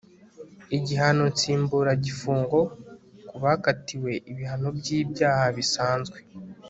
igihano nsimburagifungo ku bakatiwe ibihano by'ibyaha bisanzwe